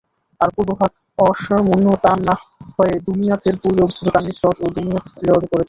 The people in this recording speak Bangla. আর পূর্বভাগ আশমূনতান্নাহ হয়ে দুমিয়াতের পূর্বে অবস্থিত তান্নীস হ্রদ ও দুমিয়াত হ্রদে পড়েছে।